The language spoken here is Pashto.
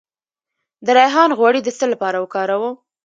د ریحان غوړي د څه لپاره وکاروم؟